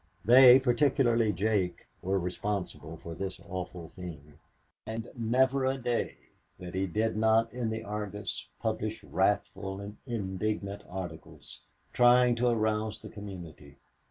They, particularly Jake, were responsible for this awful thing. And never a day that he did not in the Argus publish wrathful and indignant articles, trying to arouse the community.